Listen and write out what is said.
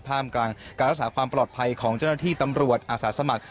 ท่ามกลางการรักษาความปลอดภัยของเจ้าหน้าที่ตำรวจอาสาสมัคร